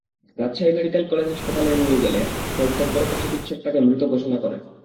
Rajshahi medical college হাসপাতালে নিয়ে গেলে কর্তব্যরত চিকিৎসক তাঁকে মৃত ঘোষণা করেন।